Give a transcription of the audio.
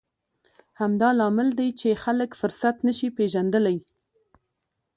همدا لامل دی چې خلک فرصت نه شي پېژندلی.